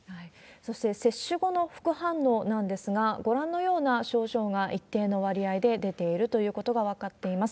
そして、接種後の副反応なんですが、ご覧のような症状が一定の割合で出ているということが分かっています。